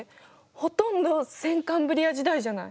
ほとんど先カンブリア時代じゃない。